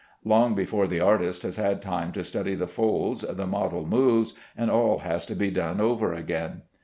Long before the artist has had time to study the folds, the model moves, and all has to be done over again.